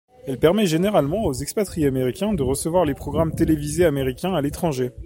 Elle permet généralement aux expatriés américains de recevoir les programmes télévisés américains à l'étranger.